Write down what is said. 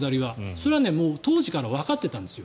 それはもう当時からわかっていたんです。